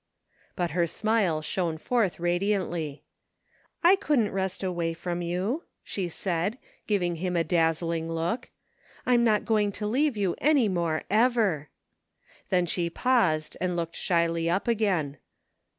But her smile shone forth radiantly. " I couldn't rest away from you," she said, giving him a dazzling look. " I'm not going to leave you any 269 (( it THE FINDING OF JASPER HOLT mare, ever I " Then she paused and looked shyly up again.